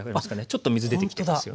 ちょっと水出てきてますよね。